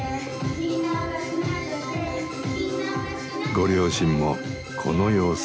ご両親もこの様子。